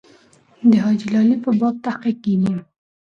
د حاجي لالي په باب تحقیق کېږي.